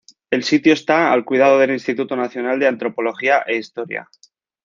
El sitio está al cuidado del Instituto Nacional de Antropología e Historia.